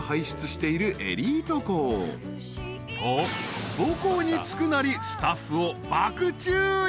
［と母校に着くなりスタッフを爆注意］